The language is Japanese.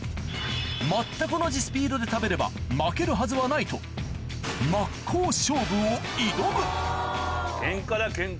全く同じスピードで食べれば負けるはずはないと真っ向勝負を挑むケンカ